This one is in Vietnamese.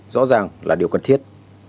rõ ràng là điều cần thiết